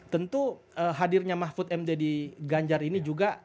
tentu hadirnya mahfud md di ganjar ini juga